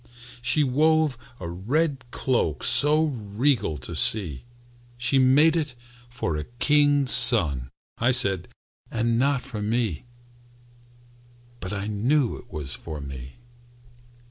She wove a red cloak So regal to see, "She's made it for a king's son," I said, "and not for me." But I knew it was for me.